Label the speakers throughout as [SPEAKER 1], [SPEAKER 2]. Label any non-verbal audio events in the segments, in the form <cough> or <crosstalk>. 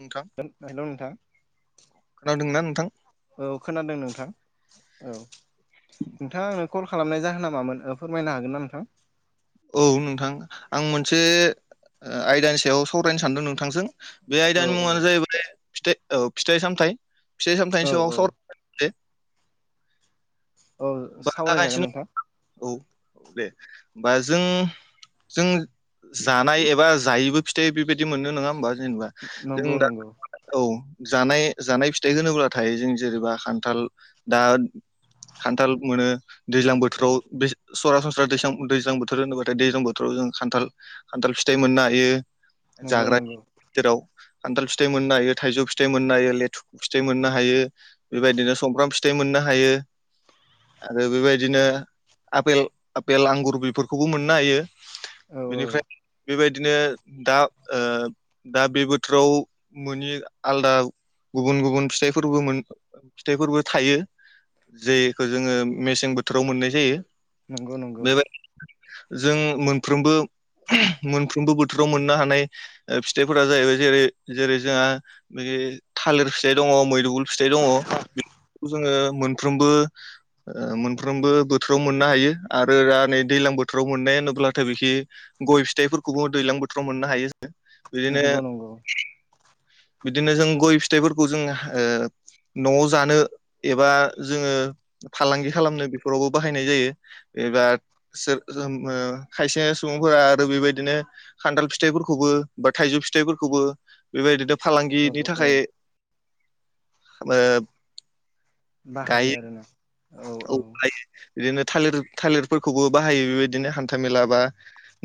[SPEAKER 1] नोंथां
[SPEAKER 2] हेलौ नोंथां
[SPEAKER 1] खोनादोंना नोंथां
[SPEAKER 2] औ खोनादों नोंथां औ नोंथाङा आंनो कल खालामनाय जाहोना मामोन ओ फोरमायनो हागोन ना नोंथां
[SPEAKER 1] औ नोंथां आं मोनसे आयदानि सायाव सावरायनो सानदों नोंथांजों बे
[SPEAKER 2] औ
[SPEAKER 1] आयदानि
[SPEAKER 2] औ
[SPEAKER 1] मुङानो जाहैबाय फिथाय औ फिथाइ सामथाय फिथाइ
[SPEAKER 2] औ
[SPEAKER 1] सामथायाइनि
[SPEAKER 2] औ
[SPEAKER 1] सायाव सावरायनोसै
[SPEAKER 2] औ
[SPEAKER 1] बा
[SPEAKER 2] सावरायजागोन
[SPEAKER 1] जागायनोसै
[SPEAKER 2] नोंथां
[SPEAKER 1] औ औ दे होमबा जों जों जानाय एबा जायोबो फिथाइ बेबायदि मोनो नङा होमबा जेनेबा जों
[SPEAKER 2] नंगौ
[SPEAKER 1] दा
[SPEAKER 2] नंगौ
[SPEAKER 1] औ जानाय जानाय फिथाइ होनोब्लाथाय जों जेनेबा खान्थाल दा खान्थाल मोनो दैज्लां बोथोराव सरासनस्रा दैसां दैज्लां बोथोर होनोबाथाय दैज्लां बोथोराव जों खान्थाल खान्थाल फिथाइ मोननो हायो
[SPEAKER 2] नंगौ
[SPEAKER 1] जाग्रा
[SPEAKER 2] नंगौ
[SPEAKER 1] फिथोराव खान्थाल फिथाइ मोननो हायो थाइजौ फिथाइ मोननो हायो लेथुखु फिथाइ मोननो हायो बेबायदिनो सुमफ्राम फिथाइ मोननो हायो आरो बेबादिनो आपेल आपेल आंगुर बिफोरखौबो मोननो हायो
[SPEAKER 2] औ औ
[SPEAKER 1] बेनिफ्राय बेबायदिनो दा ओ दा बे बोथोराव मोनि आलदा गुबुन गुबुन फिथाइफोरबो मोन ओ फिथाइफोरबो थायो। जेखो जोङो मेसें बोथोराव मोननाय जायो।
[SPEAKER 2] नंगौ नंगौ।
[SPEAKER 1] बेबाय जों मोनफ्रोमबो उमह मोनफ्रोमबो बोथोराव बे थालिर फिथाइ दङ मैदुगुल फिथाइ दङ बेखौ जोङो मोनफ्रोमबो ओ मोनफ्रोमबो बोथोराव मोननो हायो आरो दा नै दैलां बोथोराव मोननाय होनोब्लाथाय बिखि गय फिथाइफोरखौबो दैलां बोथोराव मोननो हायो। बिदिनो
[SPEAKER 2] नंगौ नंगौ।
[SPEAKER 1] बिदिनो जों गय फिथाइफोरखौ जोङो ओ न'आव जानो एबा जोङो फालांगि खालामनो बेफोरावबो बाहायनाय जायो। एबार सो जो मो खायसे सुबुंफोरा आरो बेबायदिनो खान्थाल फिथाइफोरखौबो बा थाइजौ फि फिथाइफोरखौबो बेबायदि द
[SPEAKER 2] औ
[SPEAKER 1] फालांगिनि
[SPEAKER 2] औ
[SPEAKER 1] थाखाय खामो
[SPEAKER 2] बाहायो आरो ना।
[SPEAKER 1] औ हायो बिदिनो थालिर थालिरफोरखौबो बाहायो बेबायदिनो हान्थामेला बा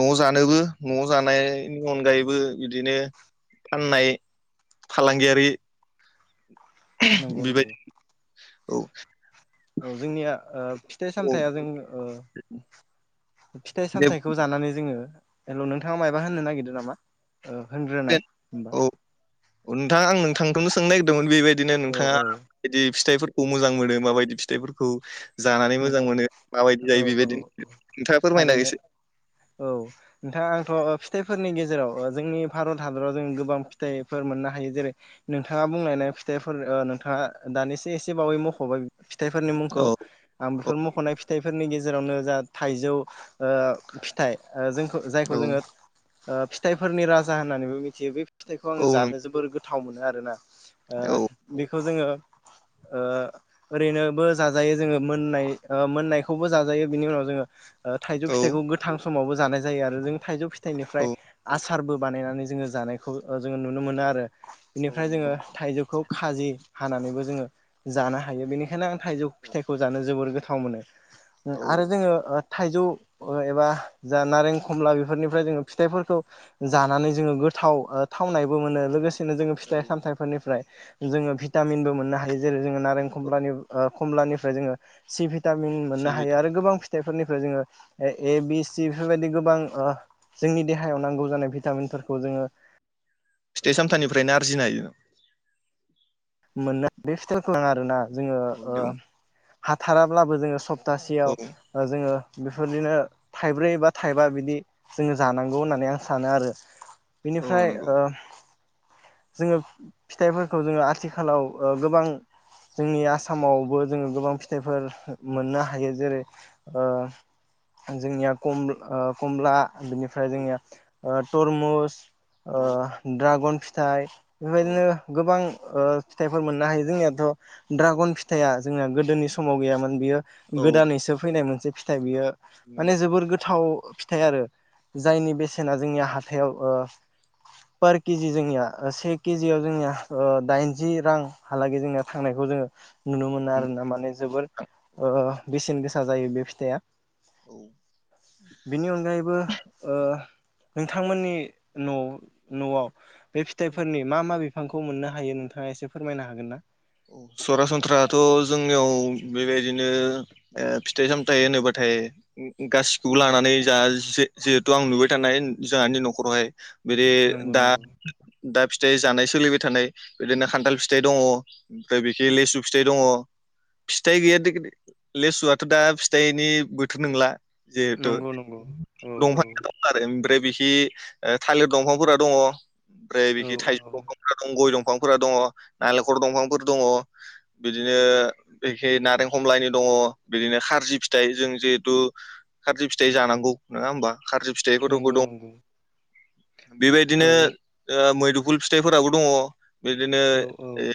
[SPEAKER 1] न'आव जानोबो न'आव जानाय नि अनगायैबो बिदिनो फाननाय फालांगियारि उमह
[SPEAKER 2] नंगौ नंगौ
[SPEAKER 1] बेबायदि औ।
[SPEAKER 2] औ जोंनिया ओ फिथाइ
[SPEAKER 1] औ
[SPEAKER 2] सामथाइया जों ओ फिथाइ
[SPEAKER 1] दे
[SPEAKER 2] सामथायाइखौ जानानै जोङो हेल' नोंथाङा मायबा होननो नागिरदों नामा? होनग्रोनाय होनबा।
[SPEAKER 1] औ नोंथां आं नोंथांखौनो सोंनो नागिरदोंमोन बेबायदिनो
[SPEAKER 2] औ
[SPEAKER 1] नोंथाङा
[SPEAKER 2] औ
[SPEAKER 1] बिदि फिथाइफोर खौ मोजां मोनो माबायदि फिथाइफोरखौ जानानै मोजां
[SPEAKER 2] नंगौ
[SPEAKER 1] मोनो माबायदि
[SPEAKER 2] औ
[SPEAKER 1] जायो
[SPEAKER 2] औ
[SPEAKER 1] बेबायदि नोंथाङा फोरमायना
[SPEAKER 2] थारैनो
[SPEAKER 1] गोसो
[SPEAKER 2] औ नोंथां आंथ' फिथाइफोरनि गेजेराव ओ जोंनि भारत हादराव जों गोबां फिथाइफोर मोननो हायो जेरै नोंथाङा बुंलांनाय फिथाइफोर ओ नोंथाङा दानिसो एसे बावै मख'बाय फिथाइफोरनि मुंखौ
[SPEAKER 1] औ
[SPEAKER 2] आं
[SPEAKER 1] औ
[SPEAKER 2] बेफोर मख'नाय फिथाइफोरनि गेजेरावनो जा थाइजौ ओ फिथाइ ओ जोंखौ जायखौ
[SPEAKER 1] औ
[SPEAKER 2] जोङो ओ फिथाइफोरनि राजा होननानैबो मिथियो बे फिथाइखौ आं
[SPEAKER 1] औ नों
[SPEAKER 2] जानो जोबोर गोथाव मोनो आरो ना। ओ
[SPEAKER 1] औ
[SPEAKER 2] बेखौ जोङो ओरैनोबो जाजायो जोङो मोननाय ओ मोननायखौबो जाजायो बिनि उनाव जोङो ओ थाइजौ
[SPEAKER 1] औ
[SPEAKER 2] फिथाइखौ गोथां समावबो जानाय जायो आरो जों थाइजौ फिथाइनिफ्राय
[SPEAKER 1] औ
[SPEAKER 2] आ सारबो बानायनानै जोङो जानायखौ ओ जोङो नुनो मोनो आरो
[SPEAKER 1] औ
[SPEAKER 2] बेनिफ्राय
[SPEAKER 1] नंगौ
[SPEAKER 2] जोङो
[SPEAKER 1] नोंथां
[SPEAKER 2] थाइजौखौ खाजि हानानैबो जोङो जानो हायो बेनिखायनो आं थाइजौ फिथाइखौ जानो जोबोर गोथाव मोनो। उम
[SPEAKER 1] औ
[SPEAKER 2] आरो जोङो ओ थाइजौ एबा जा नारें खमला बेफोरनिफ्राय जोङो फिथाइफोरखौ जानानै जोङो गोद थाव ओ थावनायबो मोनो लोगोसे नो जोङो
[SPEAKER 1] औ
[SPEAKER 2] फिथाइ सामथाइफोरनिफ्राय जोङो भिटामिनबो मोननो हायो जेरै जोङो नारें
[SPEAKER 1] औ
[SPEAKER 2] खमबलानि खमलानिफ्राय जोङो सि भिटामिन मोननो हायो
[SPEAKER 1] सिबिदा
[SPEAKER 2] आरो गोबां फिथाइफोरनि फ्राय जोङो ए बि सि बेफोरबायदि गोबां ओ जोंनि देहायाव नांगौ जानाय भिटामिनफोरखौ जोङो
[SPEAKER 1] फिथाइ सामथनिफ्रायनो आरजिनो हायो।
[SPEAKER 2] मोननो बे <inaudible> आरोना जोङो
[SPEAKER 1] औ दे बुं
[SPEAKER 2] हाथाराब्लाबो जोङो सब सप्तासेयाव
[SPEAKER 1] औ
[SPEAKER 2] ओ जोङो बेफोरबादिनो थाइब्रै बा थाइबा बिदि जोङो जानांगौ होननानै आं सानो आरो।
[SPEAKER 1] औ
[SPEAKER 2] बिनिफ्राय
[SPEAKER 1] नंगौ
[SPEAKER 2] ओ जोङो फिथाइफोरखौ जोङो आ थिखालाव ओ गोबां जोंनि आसामावबो जोङो गोबां फिथाइफोर मोननो हायो जेरै ओ आं जोंनिया कम कमला बिनिफ्राय
[SPEAKER 1] औ
[SPEAKER 2] जोंनिया तरमुस
[SPEAKER 1] औ
[SPEAKER 2] दड्रागन फिथाइ
[SPEAKER 1] औ
[SPEAKER 2] बेबायदिनो गोबां फिथाइफोर मोननो हायो जोंनियाथ' दड्रागन फिथाइया जोंना गोदोनि समाव गैयामोन बियो
[SPEAKER 1] औ
[SPEAKER 2] गोदानैसो फैनाय मोनसे फिथाइ बियो
[SPEAKER 1] नों
[SPEAKER 2] माने जोबोर गोथाव। फिथाइ आरो जायनि बेसेना जोंनिया हाथायाव ओ पार केजि जोंनिया से केजियाव जोंनिया ओ दाइनजि रांहालागै जोंनिया थांनायखौ जोङो नुनो मोनो आर ना माने जोबोर ओ बेसेन गोसा जायो बे फिथाइया
[SPEAKER 1] औ
[SPEAKER 2] बेनि अनगायैबो ओ नोंथांमोननि न' न'आव बे
[SPEAKER 1] औ
[SPEAKER 2] फिथाइफोरनि मा मा बिफ बिफांखौ मोननो हायो नोंथाङा एसे फोरमायनो हागोन ना?
[SPEAKER 1] सरासनस्रायाथ' जोंनियाव बेबायदिनो फिथाइ सामथायाइ होनोबाथाय गासिखौबो लानानै ज जिहेतु आं नुबाय थानाय जोंहानि न'खरावहाय बिदि
[SPEAKER 2] नंगौ
[SPEAKER 1] दा
[SPEAKER 2] नंगौ
[SPEAKER 1] दा फिथाइ जानाय सोलिबाय थानाय बिदिनो खान्थाल फिथाइ दङ। ओमफ्राय बिख लेसु फिथाइ दङ। फिथाइ गैयााद लेस जुआथ' दा फिथाइनि बोथोर नंला जिहेथु
[SPEAKER 2] नंगौ नंगौ औ औ
[SPEAKER 1] दंफां दं आरो। ओमफ्राय बिखि थालिर दंफांफोरा दङो ओमफ्राय
[SPEAKER 2] औ
[SPEAKER 1] बिखि थाइजौ
[SPEAKER 2] औ
[SPEAKER 1] दंफांफोरा दं गय दंफां फोरा दंफांफोरा दङो नालेंखर दंफांफोर दङो। बिदिनो एखे नारें हमलायनि दङ बिदिनो खारजि फिथाइ जों जिहेतु खारजि फिथाइ जानांगौ नङा होमबा खारजि फिथाइखौथ'बो
[SPEAKER 2] नंगौ
[SPEAKER 1] दं।
[SPEAKER 2] नंगौ औ
[SPEAKER 1] बेबायदिनो ओ मैदुफुल फिथाइफोराबो दङो बिदिनो
[SPEAKER 2] औ औ
[SPEAKER 1] ओ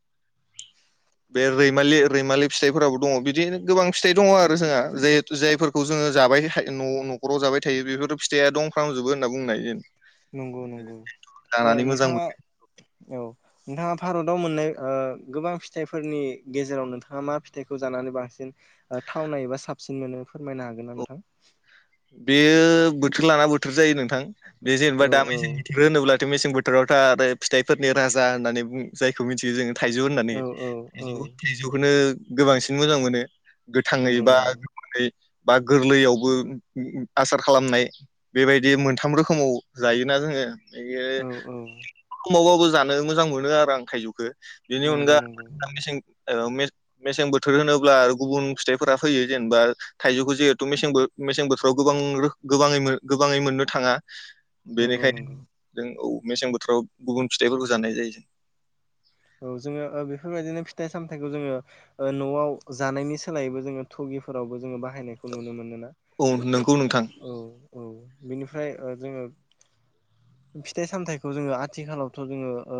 [SPEAKER 1] <inaudible> बे रैमालि रैमालि फिथाइफोरावो दङो बिदि गोबां फिथाइ दङ आरो जोंहा जेहेथु जायफोरखौ जों जोङो जाबाय' न'खराव जाबाय थायो बेफोर' फिथाइ दंफ्रामजोबो होनना बुंनो हायो।
[SPEAKER 2] नंगौ नंगौ
[SPEAKER 1] मोजां
[SPEAKER 2] नोंथाङा औ। नोंथाङा भारताव मोननाय गोबां फिथाइफोरनि गेजेराव नोंथाङा मा फिथाइखौ जानानै बांसिन थाव नायबा साबसिन मोनो फोरमायनो हागोन ना
[SPEAKER 1] मोनो
[SPEAKER 2] नोंथां।
[SPEAKER 1] बेयो बोथोर लाना बोथोर जायो नोंथां बे
[SPEAKER 2] औ
[SPEAKER 1] जेनेबा दामै
[SPEAKER 2] औ
[SPEAKER 1] ज बोथोर होनोब्ला बे' मेसें बोथोरावथा आरो फिथाइफोरनि राजा होननानै जायखौ मिथियो जों थाइजौ होननानै
[SPEAKER 2] औ औ औ
[SPEAKER 1] थजौ थाइजौखौनो गोबांसिन मोजां मोनो। गोथाङै
[SPEAKER 2] नंगौ
[SPEAKER 1] बा
[SPEAKER 2] नंगौ
[SPEAKER 1] गोमोनै बा गोरलैयावबो आसार खालामनाय बेबायदि मोनथाम रोखोमाव जायोना जोङो।
[SPEAKER 2] औ औ
[SPEAKER 1] <unintelligible> जानो मोजां मोनो आरो आं थाइजौखौ। बेनि
[SPEAKER 2] नंगौ
[SPEAKER 1] अनगा
[SPEAKER 2] नंगौ
[SPEAKER 1] <inaudible> ओ मे-मेसें बोथोर होनोब्ला गुबुन फिथाइफोरा फैयो जेनेबा थाइजौखौ जिहेथु मेसें बोथोर राव गोबां रो गेबाङै गोबाङै मोननो थाङा
[SPEAKER 2] नंगौ
[SPEAKER 1] बेनिखायनो
[SPEAKER 2] नंगौ
[SPEAKER 1] जों औ मेसें बोथोराव गुबुन फिथाइफोरखौ जानाय जायो जों।
[SPEAKER 2] औ जोङो बेफोरबायदिनो फिथाइ सामथायाइखौ जोङो ओ न'आव जानायनि सोलायैबो जोङो थुगि फोरावबो जोङो बाहायनायखौ नुनो मोनो ना?
[SPEAKER 1] औ नंगौ नोंथां
[SPEAKER 2] औ औ। बिनिफ्राय ओ जोङो फिथाइ सामथाइखौ जोङो आथिखालावथ' जोङो ओ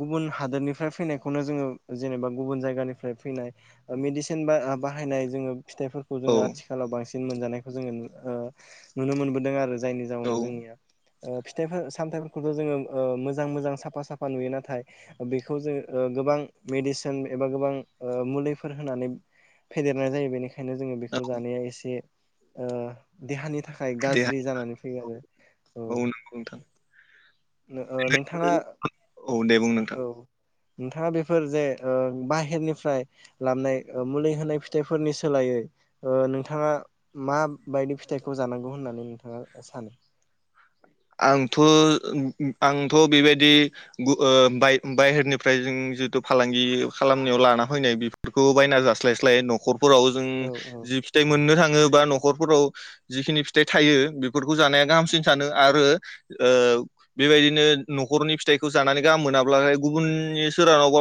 [SPEAKER 2] गुबुन हादोरनिफ्राय फैनायखौनो जोङो जेनेबा गुबुन जायगानिफ्राय फैनाय मेडिसिन बा-बाहायनाय जोङो फिथाइफोरखौ
[SPEAKER 1] औ
[SPEAKER 2] जोङो आथिखालाव बांसिन मोनजानायखौ जोङो नुनो मोनबोदों आरो जों जायनि
[SPEAKER 1] औ
[SPEAKER 2] जाउनाव जोंनिया फिथाइ सामथाइफोरखौथ' जोङो मोजां मोजां साफा साफा नुयो नाथाय बेखौ जों ओ गोबां मेडिसिन एबा गोबां मुलिफोर होनानै फेदेरनाय जायो बेनिखायनो जोङो बेखौ
[SPEAKER 1] औ
[SPEAKER 2] जानाया एसे ओ देहानि थाखाय
[SPEAKER 1] दे
[SPEAKER 2] गाज्रि जानानै फैयो आरो औ।
[SPEAKER 1] नंगौ नोंथां
[SPEAKER 2] ओ नोंथाङा
[SPEAKER 1] औ दे
[SPEAKER 2] औ
[SPEAKER 1] <inaudible>
[SPEAKER 2] नोंथाङा बेफोर जे ओ बाहेरनिफ्राय लाबनाय मुलि होनाय फिथाइफोरनि सोलाइयै ओ नोंथाङा माबायदि फिथाइखौ जानांगौ होननानै नोंथाङा सानो?
[SPEAKER 1] <inaudible> आंथ' आंथ' बेबायदि ओ बाय-बायहेरनिफ्राय जों जिथु फालांगि खालामनायाव लाना फैनाय बेफोरखौ बायना जास्लायस्लाय न'खर फोराव जों
[SPEAKER 2] औ औ
[SPEAKER 1] जि फिथाइ मोननो थाङो बा न खरफोराव जिखिनि फिथाइ थायो बेफोरखौ जानाया गाहामसिन सानो आरो ओ बेबायदिनो न'खरनि फिथाइखौ जानानै गाहाम मोनाब्ला गुबुननि सोरहानावबा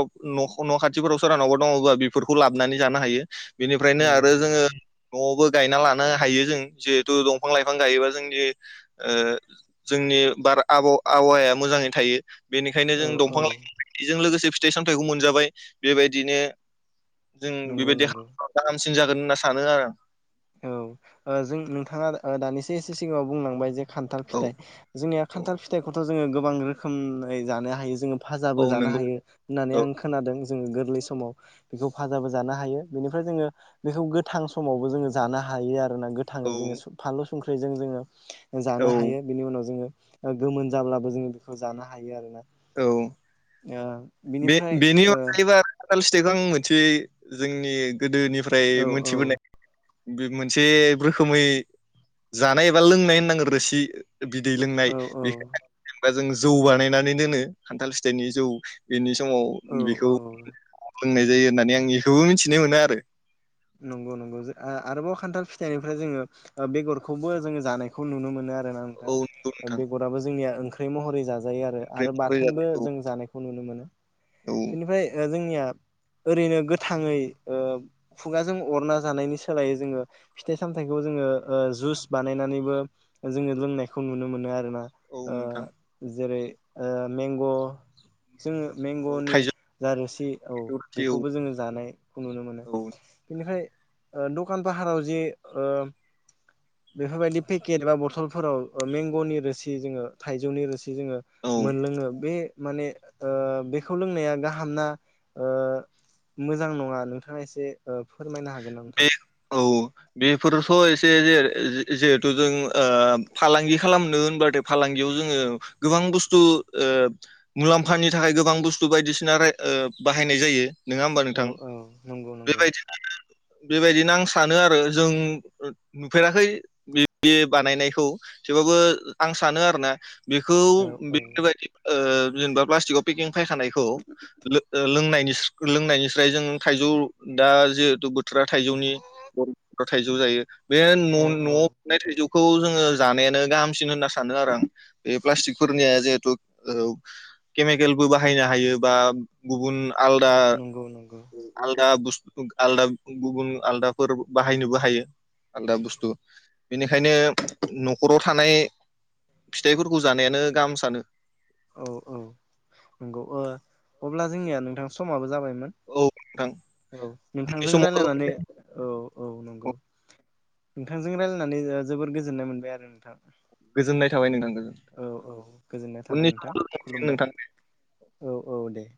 [SPEAKER 1] न' खाथिफोराव सोरहानावबा दङबा बेफोरखौ लाबोनानै जानो हायो। बेनिफ्रायनो
[SPEAKER 2] नंगौ
[SPEAKER 1] आरो
[SPEAKER 2] नंगौ
[SPEAKER 1] जोङो न'आवबो गायना लानो हायो जों जिहेथु दंफां लाइफां गायोबा जोंनि ओ जोंनि बार आबहावाया मोजाङै थायो बेनिखायनो
[SPEAKER 2] औ
[SPEAKER 1] जों
[SPEAKER 2] औ
[SPEAKER 1] दंफां लाइफां जों लोगोसे फिथाइ सामथाइखौ मोनजाबाय, बेबायदिनो जों
[SPEAKER 2] नंगौ
[SPEAKER 1] बेबायदि <unintelligible>
[SPEAKER 2] नंगौ।
[SPEAKER 1] जागोन होनना सानो आरो आं।
[SPEAKER 2] औ ओ जों नोंथाङा दानिसो एसे सिगाङाव बुंलांबाय जे खान्थाल
[SPEAKER 1] औ
[SPEAKER 2] फिथाइ, जोंनिया
[SPEAKER 1] औ
[SPEAKER 2] खान्थाल फिथाइखौथ' जोङो गोबां रोखोमै जानो हायो जोङो
[SPEAKER 1] औ
[SPEAKER 2] भाजाबो जानो
[SPEAKER 1] नंगौ
[SPEAKER 2] हायो होननानै
[SPEAKER 1] औ
[SPEAKER 2] आं खोनादों। जोङो गोरलै समाव बेखौ फाजाबो जानो हायो। बेनिफ्राय जोङो बेखौ गोथां समावबो जोङो जानो हायो आरोखि। गोथाङै
[SPEAKER 1] औ
[SPEAKER 2] जोङो फानलु संख्रिजों जोङो
[SPEAKER 1] औ
[SPEAKER 2] जानो हायो। बेनि उनाव जोङो ओ गोमोन जाब्लाबो जोङो बेखौ जानो हायो आरो ना।
[SPEAKER 1] औ।
[SPEAKER 2] ओ।
[SPEAKER 1] बे
[SPEAKER 2] बिनिफ्राय
[SPEAKER 1] बेनि
[SPEAKER 2] ओ
[SPEAKER 1] अनगायैबो खान्थाल फिथायखौ आं मोनसे जोंनि गोदोनिफ्राय
[SPEAKER 2] औ
[SPEAKER 1] मोनथिबोनाय बे मोनसे रोखोमै जानाय एबा लोंनाय होननांगोन रोसि बिदै लोंनाय
[SPEAKER 2] औ
[SPEAKER 1] बेखौबा जों जौ बानायनानै दोनो, खान्थाल फिथाइनि जौ। बेनि
[SPEAKER 2] औ
[SPEAKER 1] समाव बेखौ
[SPEAKER 2] औ औ
[SPEAKER 1] लोंनाय जायो होननानै आं इखौबो मिथिनो मोनो आरो।
[SPEAKER 2] नंगौ नंगौ आरोबाव खान्थाल फिथाइनिफ्राय जोङो बेगरखौबो जोङो जानायखौ नुनो मोनो आरो ना नोंथां।
[SPEAKER 1] औ
[SPEAKER 2] ओ बेगाराबो जोंनि महर जा जायो आरो आरो
[SPEAKER 1] नंगौ नोंथां ओमफ्राय म रोजा
[SPEAKER 2] बाथोनबो
[SPEAKER 1] औ
[SPEAKER 2] जों जानायखौ नुनो मोनो।
[SPEAKER 1] औ
[SPEAKER 2] बेनिफाय ओ जोंनिया ओरैनो गोथाङै ओ खुगाजों अरना जानायनि सोलायै जोङो फिथाइ सामथाइखौ जोङो ओ जुस बानायनानैबो जोङो लोंनायखौ नुनो मोनो आरोना
[SPEAKER 1] औ
[SPEAKER 2] ओ
[SPEAKER 1] नोंथां
[SPEAKER 2] जेरै ओ मेंग' जोंङो में
[SPEAKER 1] औ
[SPEAKER 2] गनि
[SPEAKER 1] थाइजौ
[SPEAKER 2] जा रोसि औ
[SPEAKER 1] गोखै औ
[SPEAKER 2] बेखौबो जोङो जानायखौ नुनो मोनो
[SPEAKER 1] औ
[SPEAKER 2] बेनिफाय ओ दखान फाहाराव जे ओ बेफोरबायदि पेकेट बा बथलफोराव मेंग'नि रोसि जोङो थाइजौनि रोसि जे जोंङो
[SPEAKER 1] औ
[SPEAKER 2] मोनलोंङो बे माने ओ बे खौ लोंनाया गाहामना ओ मोजां नङा नोंथाङा एसे फोरमायनो हागोना नोंथां?
[SPEAKER 1] बे औ बेफोरथ' एसे जिहेथु जों ओ फालांगि खालामनो होनबाथाये फालांगि बेयाव जोङो गोबां बुस्थु ओ मुलाम्फानि थाखाय गोबां बुस्थु बायदिसिना बाहायनाय जायो नङा होमबा
[SPEAKER 2] औ
[SPEAKER 1] नोंथां
[SPEAKER 2] औ नंगौ नंगौ
[SPEAKER 1] बेबायदिनो बेबायदिनो आं सानो आरो जों नुफेराखै बे बानायनायखौ थेवबाब्बो आं सानो आरो ना बेखौ
[SPEAKER 2] औ औ
[SPEAKER 1] बेफोरबायदि ओ जेनेबा प्लास्टिकआव पेकिं फायखानायखौ लों लोंनायनिफ्रास्राय जों थाइजौ दा जिहेतु बोथोरा थाइजौनि बर' थाइजौ जायो बे'
[SPEAKER 2] औ
[SPEAKER 1] न'आव
[SPEAKER 2] औ
[SPEAKER 1] मोननाय थाइजौ खौ जोङो जानायानो गाहामसिन होनना सानो आरो आं बे प्लास्टिकफोरनिया जिहेथु औ केमिकेलबो बाहायनो हायो बा गुबुन आलदा
[SPEAKER 2] नंगौ नंगौ
[SPEAKER 1] आलदा <unintelligible> आलदा गुबुन आलदाफोर बाहायनोबो हायो आलदा बुस्थु बेनिखायनो नखराव थानाय फिथाइफोरखौ जानायानो गाहाम सानो
[SPEAKER 2] औ औ नंगौ अब्ला जोंनिया नोंथां समाबो जाबाय
[SPEAKER 1] औ नोंथां
[SPEAKER 2] औ
[SPEAKER 1] उननि
[SPEAKER 2] नोंथांजों
[SPEAKER 1] समाव
[SPEAKER 2] रायलायनानै औ औ नंगौ नोंथांजों रायजलायनानै जोबोर गोजोननाय मोनबाय आरो नोंथां
[SPEAKER 1] गोजोननाय थाबाय नोंथांखौ
[SPEAKER 2] औ औ गोजोननाय थाबाय नोंथां
[SPEAKER 1] लोगो मोनसिगोन नोंथां
[SPEAKER 2] खुलुमबाय औ औ दे